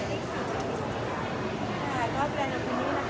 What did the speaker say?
เพราะว่าเขาจะรวมพบทุกกิจการ